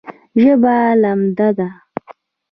ژبه لمده ده